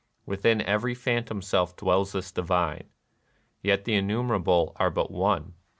Within every phantom self dwells this divine : yet the innumerable are but one.